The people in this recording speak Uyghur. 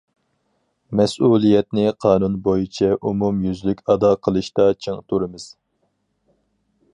مەسئۇلىيەتنى قانۇن بويىچە ئومۇميۈزلۈك ئادا قىلىشتا چىڭ تۇرىمىز.